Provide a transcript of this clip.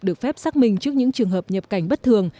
được phép xác minh trước những trường hợp nhập cảnh bất thường